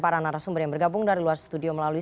para narasumber yang bergabung dari luar studio melalui